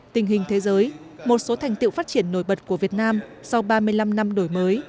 tình hình thế giới một số thành tiệu phát triển nổi bật của việt nam sau ba mươi năm năm đổi mới